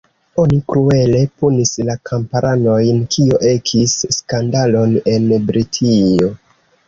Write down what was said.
Oni kruele punis la kamparanojn, kio ekis skandalon en Britio.